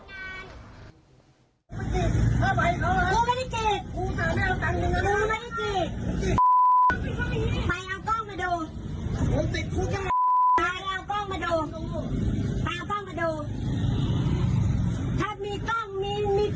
มาดูถ้ามีกล้องมีกูนะกูขอจะกลับไปใกล้ความอยู่เลย